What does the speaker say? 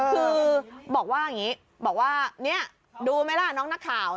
คือบอกว่าอย่างนี้บอกว่านี่ดูไหมล่ะน้องนักข่าว